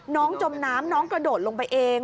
จมน้ำน้องกระโดดลงไปเอง